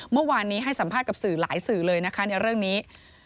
เมื่อวานนี้ให้สัมภาษณ์กับสื่อหลายสื่อเลยนะคะในเรื่องนี้